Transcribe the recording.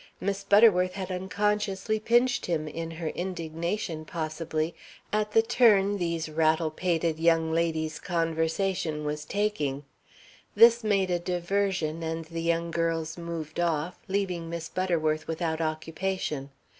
Miss Butterworth had unconsciously pinched him, in her indignation, possibly, at the turn these rattle pated young ladies' conversation was taking. This made a diversion, and the young girls moved off, leaving Miss Butterworth without occupation.